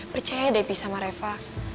percaya deh pi sama reva